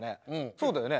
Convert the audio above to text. そうだよね？